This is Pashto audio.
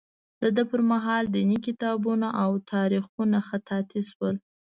د ده پر مهال دیني کتابونه او تاریخونه خطاطي شول.